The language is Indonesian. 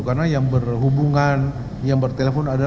karena yang berhubungan yang bertelepon adalah